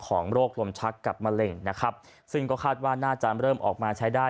โรคลมชักกับมะเร็งนะครับซึ่งก็คาดว่าน่าจะเริ่มออกมาใช้ได้